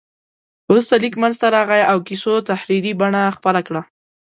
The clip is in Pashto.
وروسته لیک منځته راغی او کیسو تحریري بڼه خپله کړه.